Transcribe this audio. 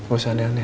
oh seandainya deh